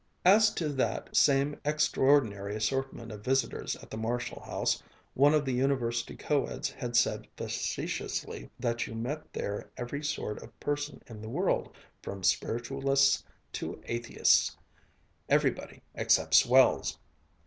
As to that same extraordinary assortment of visitors at the Marshall house, one of the University co eds had said facetiously that you met there every sort of person in the world, from spiritualists to atheists everybody except swells.